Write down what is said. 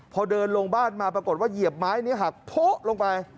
พอเดินลงบ้านมาปรากฏว่าเหยียบไม้นี้หักโพะลงไป